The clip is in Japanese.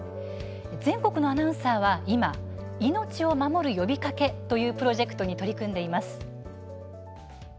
全国のアナウンサーは、今命を守る呼びかけというプロジェクトに取り組んでいます。